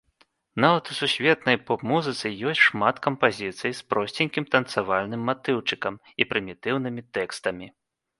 Нават у сусветнай поп-музыцы ёсць шмат кампазіцый з просценькім танцавальным матыўчыкам і прымітыўнымі тэкстамі.